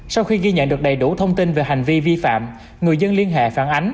sau khi ghi nhận được đầy đủ thông tin về hành vi vi phạm